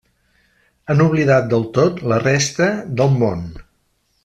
Han oblidat del tot la resta del món.